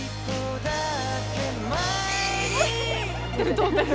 飛んでる！